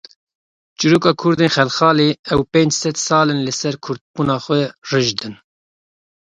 Çîroka Kurdên Xelxalê; ev pênc sed sal in li ser Kurdbûna xwe rijd in.